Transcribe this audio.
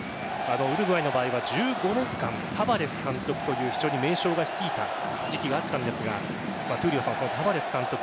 ウルグアイの場合１５年間、タバレス監督という非常に名将が率いた時期があったんですがタバレス監督